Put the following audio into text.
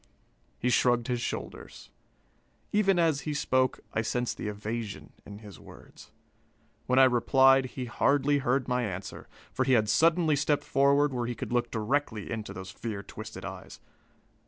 He shrugged his shoulders. Even as he spoke, I sensed the evasion in his words. When I replied, he hardly heard my answer, for he had suddenly stepped forward, where he could look directly into those fear twisted eyes.